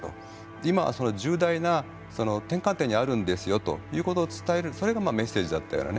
今その重大な転換点にあるんですよということを伝えるそれがメッセージだったようなね